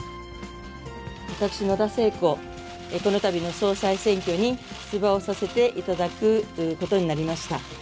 私、野田聖子、このたびの総裁選挙に出馬をさせていただくことになりました。